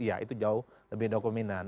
ya itu jauh lebih dokumen